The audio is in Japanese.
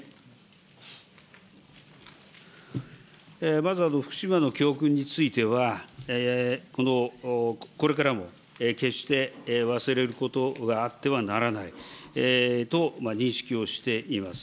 まず福島の教訓については、これからも決して忘れることがあってはならないと認識をしています。